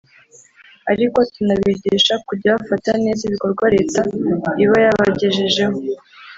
ariko tunabigisha kujya bafata neza ibikorwa Leta iba yabagejejeho